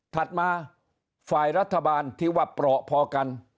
ถัดมาฝ่ายรัฐบาลที่ว่าเปราะพอกัน